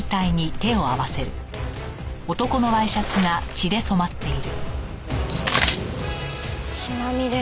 血まみれ。